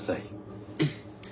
えっ？